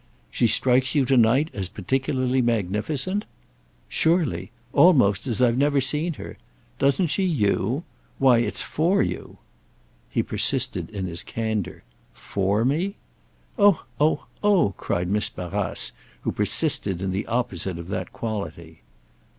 "She strikes you to night as particularly magnificent?" "Surely. Almost as I've never seen her. Doesn't she you? Why it's for you." He persisted in his candour. "'For' me—?" "Oh, oh, oh!" cried Miss Barrace, who persisted in the opposite of that quality.